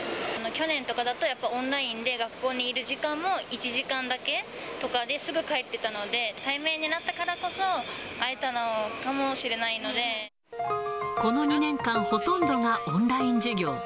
去年とかだと、オンラインで学校にいる時間も１時間だけとかで、すぐ帰ってたので、対面になったからこそ、この２年間、ほとんどがオンライン授業。